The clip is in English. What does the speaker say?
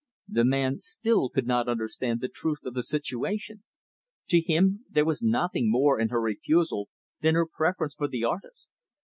The man, still, could not understand the truth of the situation. To him, there was nothing more in her refusal than her preference for the artist.